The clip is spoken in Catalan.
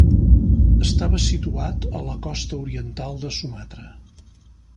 Estava situat a la costa oriental de Sumatra.